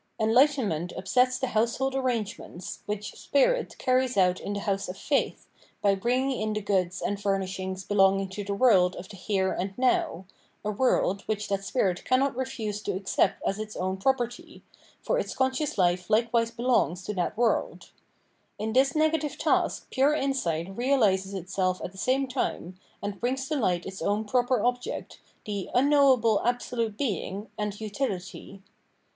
Enlightenment upsets the household arrangements, which spirit carries out in the house of faith, by bringing in the goods and furnishings belonging to the world of the Here and Now, a world which that spirit cannot refuse to accept as its own property, for its conscious life likewise belongs to that 492 Phenomenology of Mind world. In this negative task pure insight realises itself at the same time, and brings to light its own proper object, the " unknowable absolute Being" andutihty.